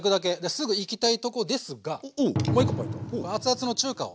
すぐいきたいとこもう一個ポイント。